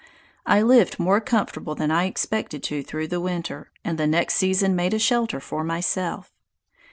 I lived more comfortable than I expected to through the winter, and the next season made a shelter for myself.